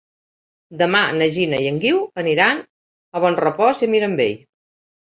Demà na Gina i en Guiu aniran a Bonrepòs i Mirambell.